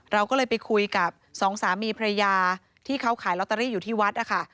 เราก็เลยไปคุยกับสองสามีพระยาที่เขาขายลอตเตอรี่อยู่ที่วัดนะคะ